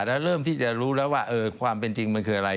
แล้วเริ่มที่จะรู้แล้วว่าความเป็นจริงมันคืออะไร